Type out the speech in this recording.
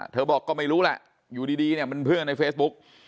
เธอบอกก็ไม่รู้แหละอยู่ดีเป็นเพื่อนในเฟซบุ๊ก